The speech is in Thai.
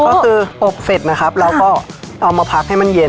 ก็คืออบเสร็จนะครับเราก็เอามาพักให้มันเย็น